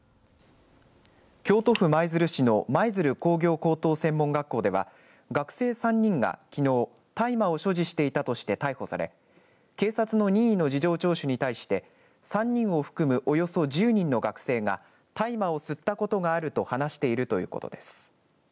京都府舞鶴市の舞鶴工業高等専門学校では学生３人がきのう大麻を所持していたとして逮捕され警察の任意の事情聴取に対して３人を含むおよそ１０人の学生が大麻を吸ったことがあると話しているということです。